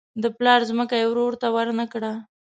د پلار ځمکه یې ورور ته ورنه کړه.